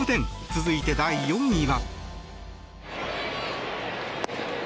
続いて第４位は。